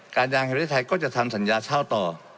การยางแฮวไทยไทยก็จะทำสัญญาเช่าต่อ